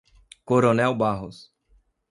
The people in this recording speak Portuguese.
Coronel Barros